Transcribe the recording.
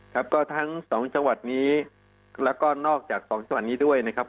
ครับก็ทั้งสองจังหวัดนี้แล้วก็นอกจากสองจังหวัดนี้ด้วยนะครับ